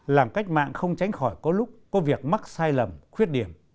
làm cách mạng không tránh khỏi có lúc có việc mắc sai lầm khuyết điểm